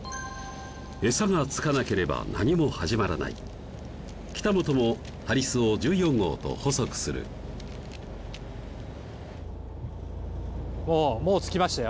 エサが付かなければ何も始まらない北本もハリスを１４号と細くするおぉもう付きましたよ